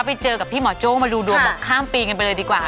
ไปเจอกับพี่หมอโจ้มาดูดวงบอกข้ามปีกันไปเลยดีกว่า